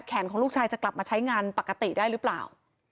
ของลูกชายจะกลับมาใช้งานปกติได้หรือเปล่า